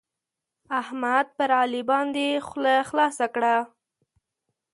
احمد پر علي باندې خوله خلاصه کړه.